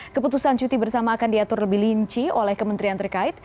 keputusan cuti bersama akan diatur lebih linci oleh kementerian terkait